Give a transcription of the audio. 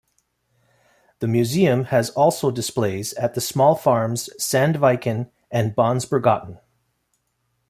The museum has also displays at the small farms Sandviken and Bagnsbergatn.